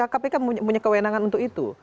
kpk punya kewenangan untuk itu